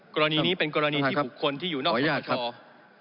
กรณีนี้เป็นกรณีที่บุคคลที่อยู่นอกขออนุญาตครับ